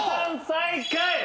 最下位。